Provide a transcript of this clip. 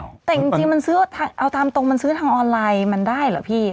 แต่จริงมันซื้อเอาตามตรงมันซื้อทางออนไลน์มันได้เหรอพี่